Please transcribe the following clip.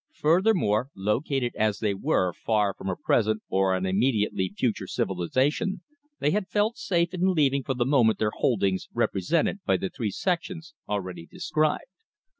Furthermore, located as they were far from a present or an immediately future civilization, they had felt safe in leaving for the moment their holdings represented by the three sections already described.